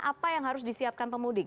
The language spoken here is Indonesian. apa yang harus disiapkan pemudik